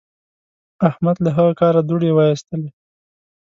احمد له هغه کاره دوړې واېستلې.